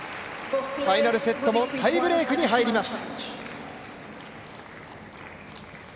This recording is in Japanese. ファイナルセットもタイブレークに入ります。